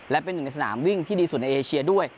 และเป็นหนึ่งในสนามวิ่งที่ดีสุดในเอเชียด้วย